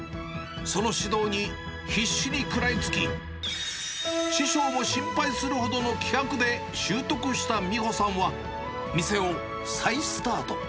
その指導に、必死に食らいつき、師匠も心配するほどの気迫で習得した美保さんは、店を再スタート。